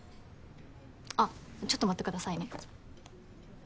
あっちょっと待ってくださいね。